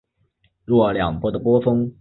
若两波的波峰。